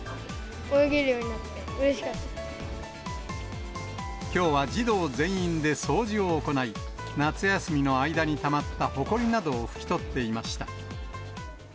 泳げるようになってうれしかったきょうは児童全員で掃除を行い、夏休みの間にたまったほこりなどを拭き取っていました。